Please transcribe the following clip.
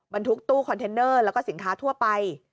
ทุกตู้คอนเทนเนอร์แล้วก็สินค้าทั่วไป